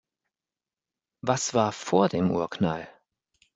Was war vor dem Urknall?